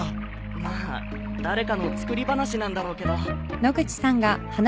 まあ誰かの作り話なんだろうけど